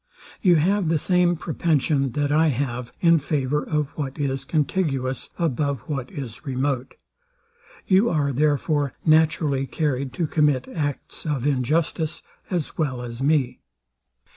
You have the same propension, that I have, in favour of what is contiguous above what is remote. You are, therefore, naturally carried to commit acts of injustice as well as me.